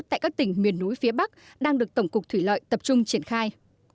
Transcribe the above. tại các tỉnh miền núi phía bắc đang được tổng cục thủy lợi tập trung triển khai